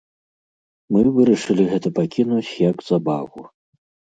Мы вырашылі гэта пакінуць як забаву.